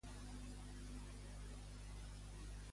De qui afirmava ser descendent, la família Lamiae?